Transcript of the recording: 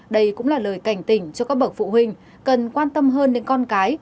đây cũng là lời cảnh tỉnh cho các bậc phụ huynh cần quan tâm hơn đến con cái